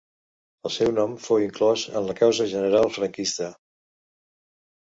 El seu nom fou inclòs en la Causa General franquista.